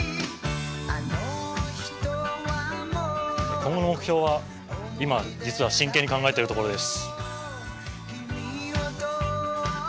今後の目標は今、実は真剣に考えているところです。